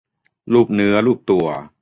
ลูบเนื้อลูบตัว